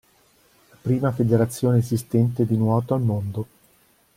La prima federazione esistente di nuoto al mondo.